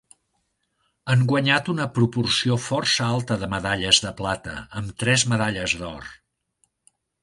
Han guanyat una proporció força alta de medalles de plata, amb tres medalles d'or.